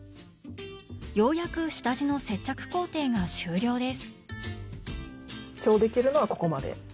ようやく下地の接着工程が終了です。